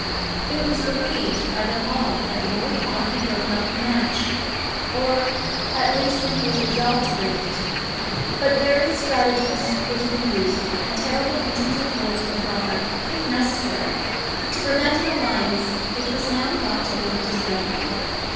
It was believed by them all that Lord Fawn had broken off the match or, at least, that he was resolved to break it; but various stratagems were to be used, and terrible engines of war were to be brought up, if necessary, to prevent an alliance which was now thought to be disreputable.